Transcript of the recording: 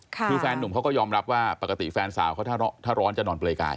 คือแฟนนุ่มเขาก็ยอมรับว่าปกติแฟนสาวเขาถ้าร้อนจะนอนเปลยกาย